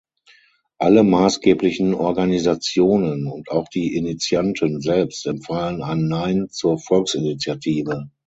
Alle massgeblichen Organisationen und auch die Initianten selbst empfahlen ein Nein zur Volksinitiative.